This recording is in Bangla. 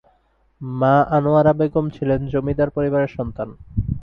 মা আনোয়ারা বেগম ছিলেন জমিদার পরিবারের সন্তান।